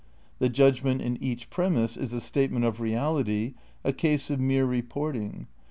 The judgment in each premise is a statement of reality, a case of mere reporting.